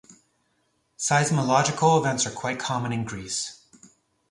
Seismological events are quite common in Greece.